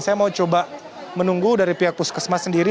saya mau coba menunggu dari pihak puskesmas sendiri